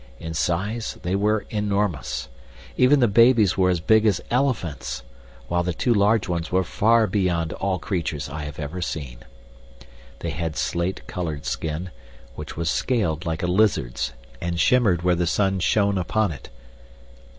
In size they were enormous. Even the babies were as big as elephants, while the two large ones were far beyond all creatures I have ever seen. They had slate colored skin, which was scaled like a lizard's and shimmered where the sun shone upon it.